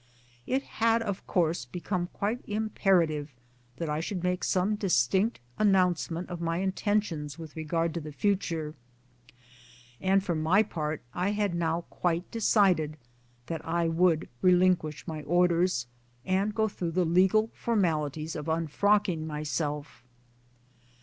It had of course become quite imperative that I should make some distinct announcement of my intentions with regard to the future ; and for my part I had now quite decided that I would relinquish my Orders, and go through the legal formalities of unfrocking myself.